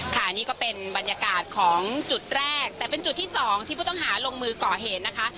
นี่ก็เป็นบรรยากาศของจุดแรกแต่เป็นจุดที่สองที่ผู้ต้องหาลงมือก่อเหตุนะคะ